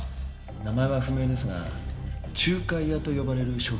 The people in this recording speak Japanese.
名前は不明ですが仲介屋と呼ばれる職種の男です。